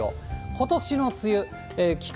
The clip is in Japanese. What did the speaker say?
ことしの梅雨、期間